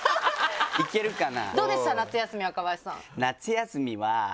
いけるかな？